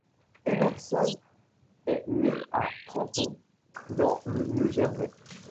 Emerson est né à Trenton dans le New Jersey.